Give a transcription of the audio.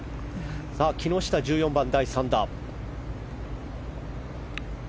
木下、１４番の第３打。